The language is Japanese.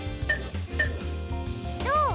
どう？